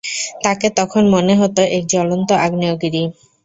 তাকে তখন মনে হত এক জ্বলন্ত আগ্নেয়গিরি।